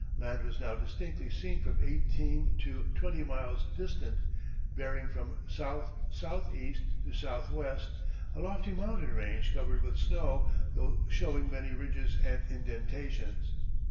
Land was now distinctly seen from eighteen to twenty miles distant, bearing from S.S.E. to S.W., a lofty mountain range covered with snow, though showing many ridges and indentations."